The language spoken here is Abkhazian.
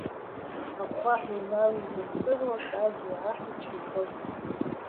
Ахәхәаҳәа иналидон ҵыруак, ажәла аҳәиҵәҳәа иҟьон.